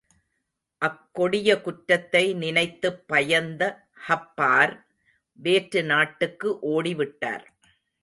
அக்கொடிய குற்றத்தை நினைத்துப் பயந்த ஹப்பார், வேற்று நாட்டுக்கு ஓடிவிட்டார்.